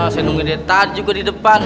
saya nungguin dia tahan juga di depan